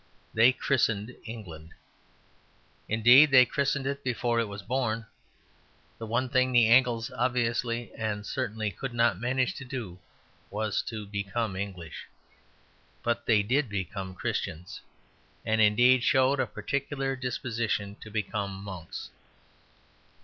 They christened England. Indeed, they christened it before it was born. The one thing the Angles obviously and certainly could not manage to do was to become English. But they did become Christians, and indeed showed a particular disposition to become monks.